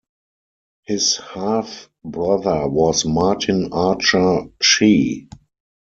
His half-brother was Martin Archer-Shee.